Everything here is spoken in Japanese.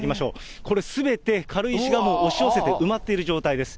これ、すべて軽石が押し寄せて埋まっている状態です。